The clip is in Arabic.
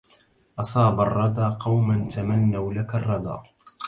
أصاب الردى قوما تمنوا لك الردى